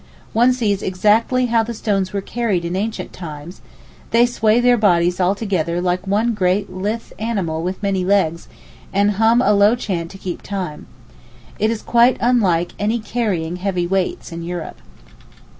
One sees exactly how the stones were carried in ancient times; they sway their bodies all together like one great lithe animal with many legs, and hum a low chant to keep time. It is quite unlike any carrying heavy weights in Europe.